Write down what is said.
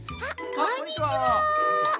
こんにちは。